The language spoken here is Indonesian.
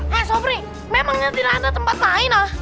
hei sobri memangnya tidak ada tempat lain ah